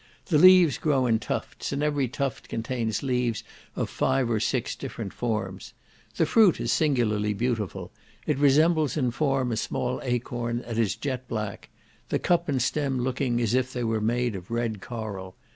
The leaves grow in tufts, and every tuft contains leaves of five or six different forms. The fruit is singularly beautiful; it resembles in form a small acorn, and is jet black; the cup and stem looking as if they were made of red coral.